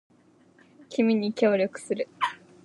君に協力する